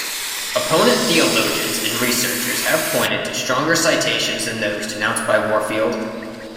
Opponent theologians and researchers have pointed to stronger citations than those denounced by Warfield.